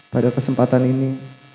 pada kesempatan ini